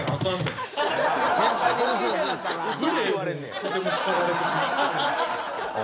とても叱られてしまって。